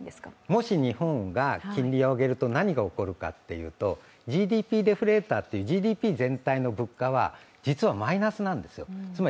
もし日本が金利を上げると何が起こるかっていうと、ＧＤＰデフレーターというＧＤＰ全体はデフレ、マイナスなんですね。